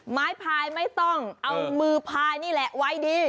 พายไม่ต้องเอามือพายนี่แหละไว้ดี